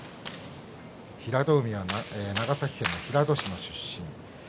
平戸海は長崎県の平戸市出身。